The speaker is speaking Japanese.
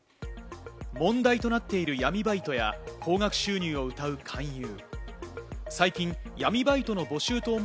問題となっている闇バイトや高額収入をうたう勧誘。